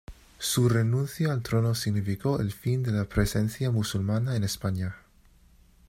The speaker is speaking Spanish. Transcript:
Su renuncia al trono significó el fin de la presencia musulmana en España.